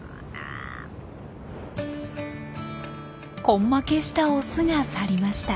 根負けしたオスが去りました。